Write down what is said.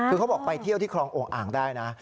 คือเขาบอกไปเที่ยวที่คลองโอ่งอ่างได้นะ